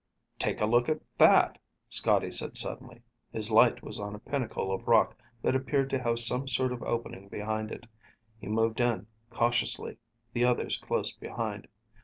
"Take a look at that," Scotty said suddenly. His light was on a pinnacle of rock that appeared to have some sort of opening behind it. He moved in, cautiously, the others close behind.